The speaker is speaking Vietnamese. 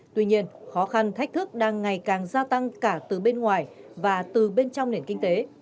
tuy nhiên khó khăn thách thức đang ngày càng gia tăng cả từ bên ngoài và từ bên trong nền kinh tế